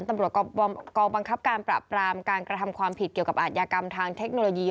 ตำรวจกองบังคับการปราบปรามการกระทำความผิดเกี่ยวกับอาทยากรรมทางเทคโนโลยี